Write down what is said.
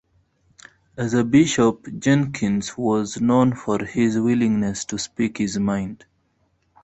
As a bishop, Jenkins was known for his willingness to speak his mind.